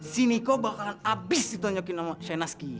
si niko bakalan abis ditanyakin sama shainazki